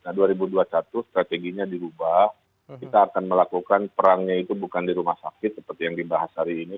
nah dua ribu dua puluh satu strateginya dirubah kita akan melakukan perangnya itu bukan di rumah sakit seperti yang dibahas hari ini